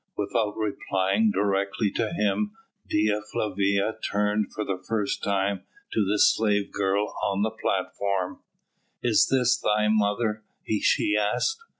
Without replying directly to him, Dea Flavia turned for the first time to the slave girl on the platform. "Is this thy mother?" she asked.